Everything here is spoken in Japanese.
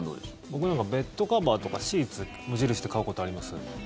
僕ベッドカバーとかシーツ無印で買うことあります。